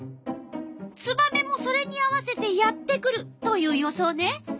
ツバメもそれに合わせてやって来るという予想ね。